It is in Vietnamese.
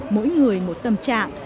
mỗi người một tâm trạng